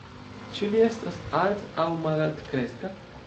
Ĉu li estas alt- aŭ malaltkreska?